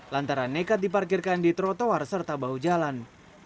lantaran nekat diparkirkan di trotoar serta bahu jalan